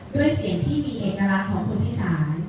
ด้วยเสียงที่มีเอกลักษณ์ของคนอีสาน